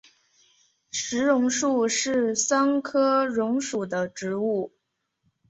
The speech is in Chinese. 石榕树是桑科榕属的植物。